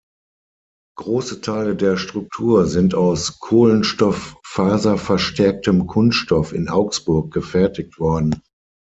Große Teile der Struktur sind aus kohlenstofffaserverstärktem Kunststoff in Augsburg gefertigt worden.